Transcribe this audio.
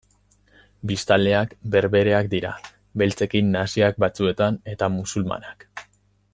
Biztanleak berbereak dira, beltzekin nahasiak batzuetan, eta musulmanak.